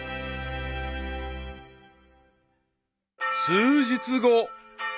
［数日後］